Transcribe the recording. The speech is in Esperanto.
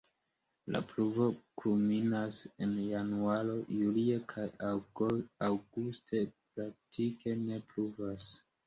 La pluvo kulminas en januaro, julie kaj aŭguste praktike ne pluvas.